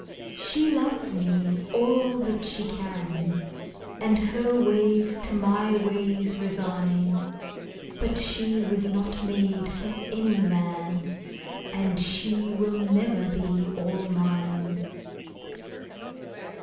She loves me all that she can, And her ways to my ways resign; But she was not made for any man, And she never will be all mine.